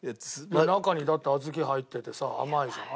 中にだって小豆入っててさ甘いじゃん。